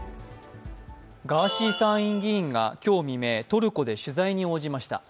ガーシー参院議員が今日未明、トルコで取材に応じました。